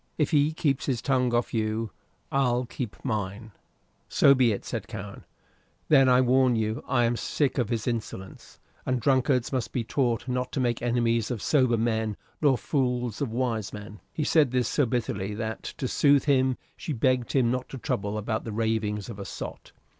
"If he keeps his tongue off you, I'll keep mine." "So be it," said Cowen. "Then I warn you I am sick of his insolence; and drunkards must be taught not to make enemies of sober men nor fools of wise men." He said this so bitterly that, to soothe him, she begged him not to trouble about the ravings of a sot.